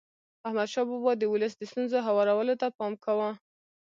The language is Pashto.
احمدشاه بابا د ولس د ستونزو هوارولو ته پام کاوه.